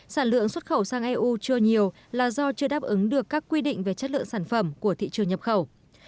sản lượng xuất khẩu sang eu chưa nhiều là do chưa đáp ứng được các quy định về chất lượng sản phẩm của thị trường nhập khẩu